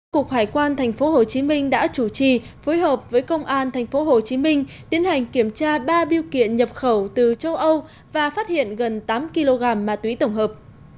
cục hải quan tp hcm đã chủ trì phối hợp với công an tp hcm tiến hành kiểm tra ba biêu kiện nhập khẩu từ châu âu và phát hiện gần tám kg ma túy tổng hợp